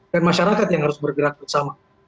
dan masyarakat yang harus bergerak bersama